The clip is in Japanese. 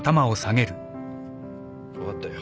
分かったよ。